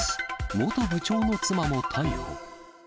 元部長の妻も逮捕。